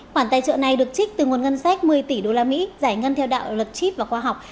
quản tài trợ này được trích từ nguồn ngân sách một mươi tỷ usd giải ngân theo đạo lực chip và khoa học